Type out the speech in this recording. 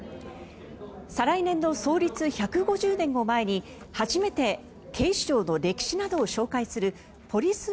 再来年の創立１５０年を前に初めて警視庁の歴史などを紹介するポリス